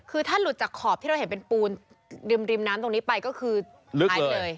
คือถ้าหลุดจากขอบที่เราเห็นเป็นปูนริมน้ำตรงนี้ไปก็คือหายไปเลย